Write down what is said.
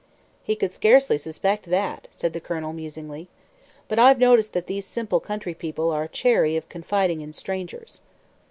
"He could scarcely suspect that," said the Colonel, musingly. "But I've noticed that these simple country people are chary of confiding in strangers."